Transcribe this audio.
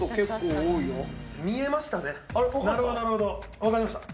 見えましたね。